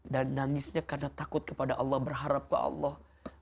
dan nangisnya karena takut kepada allah berharap ke allah